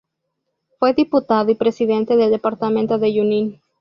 Fue Diputado y presidente del departamento de Junín.